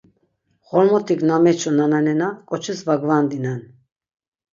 Ğormot̆ik na meçu nananena ǩoçis var gvandinen.